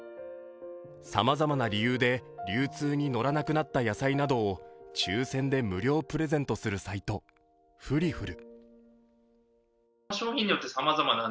さまざまな理由で流通に乗らなくなった野菜などを抽選で無料プレゼントするサイト、フリフル。